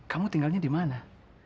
kamu tinggalnya dimana